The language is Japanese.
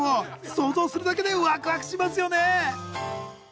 想像するだけでワクワクしますよね！